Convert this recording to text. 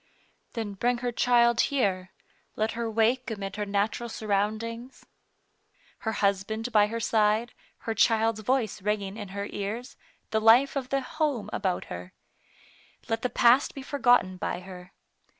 "Then bring her child here. Let her wake amid her natural surroundings — her husband by her side, her child's voice ringing in her ears, the life of the * home * about her. Let the past be forgotten by her.